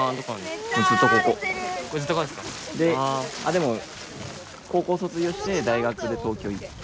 でも高校卒業して大学で東京行って。